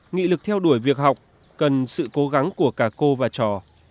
nghị lực theo đuổi việc học cần sự cố gắng của cả cô và trò